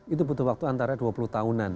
itu butuh waktu antara dua puluh tahunan